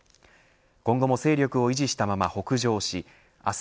今後も勢力を維持したまま北上し明日